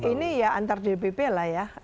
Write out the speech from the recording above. ini ya antar dpp lah ya